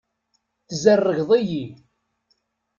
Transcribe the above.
Tzerrgeḍ-iyi.